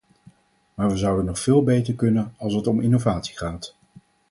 Maar we zouden nog veel beter kunnen als het om innovatie gaat.